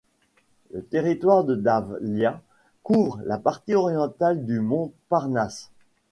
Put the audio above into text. Le territoire de Davlia couvre la partie orientale du mont Parnasse.